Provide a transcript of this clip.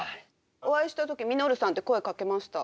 お会いしたとき「稔さん」って声かけました。